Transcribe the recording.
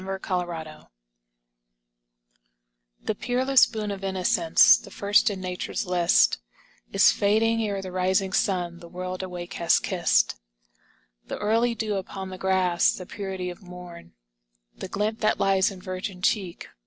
[21 GOSSAMER The peerless boon of innocence, The first in nature's Hst, Is fading, ere the rising sun The world awake has kist. The early dew upon the grass, The purity of morn, The glint that lies in virgin cheek.